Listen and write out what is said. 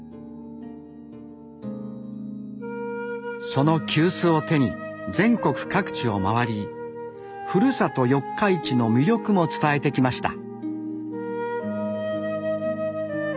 その急須を手に全国各地を回りふるさと四日市の魅力も伝えてきました。